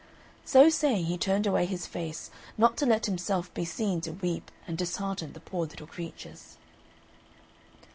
So saying, he turned away his face, not to let himself be seen to weep and dishearten the poor little creatures.